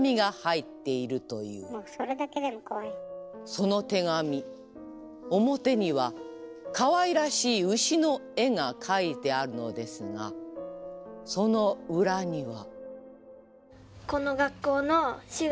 その手紙表にはかわいらしい牛の絵が描いてあるのですがその裏には。